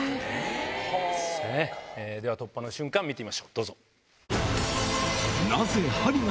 では突破の瞬間見てみましょうどうぞ。